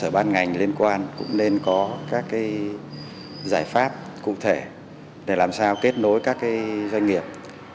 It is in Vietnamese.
các ban ngành liên quan cũng nên có các giải pháp cụ thể để làm sao kết nối các doanh nghiệp